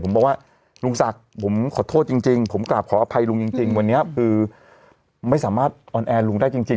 ผมบอกว่าลุงศักดิ์ผมขอโทษจริงผมกลับขออภัยลุงจริงวันนี้คือไม่สามารถออนแอร์ลุงได้จริง